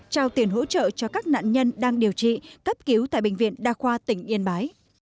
trao tiền hỗ trợ cho các nạn nhân đang điều trị cấp cứu tại bệnh viện đa khoa tỉnh yên bái